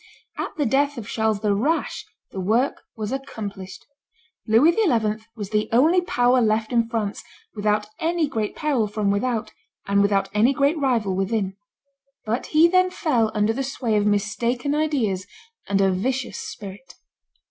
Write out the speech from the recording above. At the death of Charles the Rash, the work was accomplished; Louis XI. was the only power left in France, without any great peril from without, and without any great rival within; but he then fell under the sway of mistaken ideas and a vicious spirit.